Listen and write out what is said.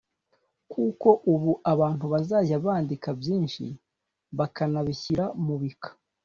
kuko ubu abantu bazajya bandika byinshi bakanabishyira mu bika